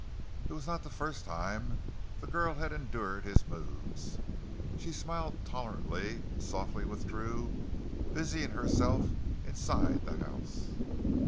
It was not the first time the girl had endured his moods. She smiled tolerantly, and softly withdrew, busying herself inside the house.